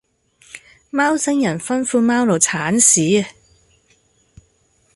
貓星人吩咐貓奴剷屎